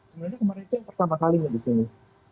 sebenarnya kemarin itu yang pertama kalinya di sini